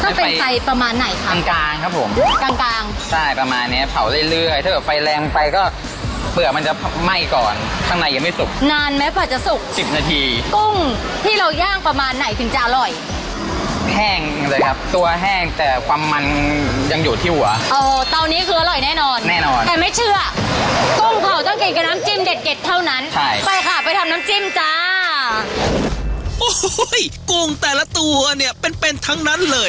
ถ้าเป็นไฟประมาณไหนครับกลางกลางครับผมกลางกลางใช่ประมาณเนี้ยเผาเรื่อยเรื่อยถ้าเกิดไฟแรงไปก็เปลือกมันจะไหม้ก่อนข้างในยังไม่สุกนานไหมพอจะสุกสิบนาทีกุ้งที่เราย่างประมาณไหนถึงจะอร่อยแห้งเลยครับตัวแห้งแต่ความมันยังอยู่ที่หัวอ่อเตานี้คืออร่อยแน่นอนแน่นอนแต่ไม่เชื่อกุ้งเขาต้องเก่งกับน้